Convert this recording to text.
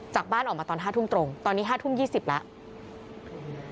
บ้านออกมาตอน๕ทุ่มตรงตอนนี้๕ทุ่ม๒๐แล้ว